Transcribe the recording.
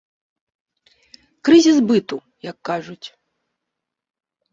Крызіс быту, як кажуць.